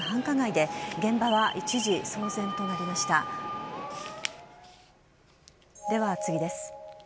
では次です。